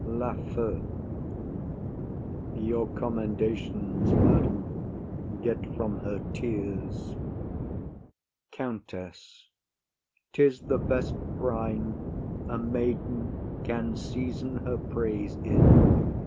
LAFEW. Your commendations, madam, get from her tears. COUNTESS. 'Tis the best brine a maiden can season her praise in.